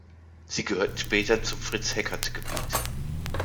Sie gehörten später zum „Fritz-Heckert-Gebiet“.